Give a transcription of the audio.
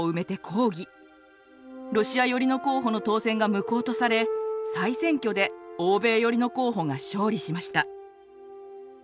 ロシア寄りの候補の当選が無効とされ再選挙で欧米寄りの候補が勝利しました。